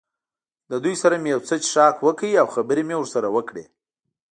له دوی سره مې یو څه څښاک وکړ او خبرې مې ورسره وکړې.